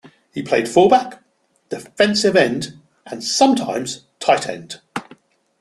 He played fullback, defensive end and sometimes tight end.